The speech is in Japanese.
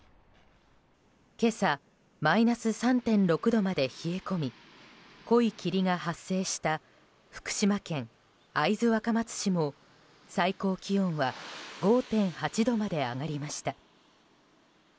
今朝マイナス３．６度まで冷え込み濃い霧が発生した福島県会津若松市も最高気温は５．８度まで上がりました。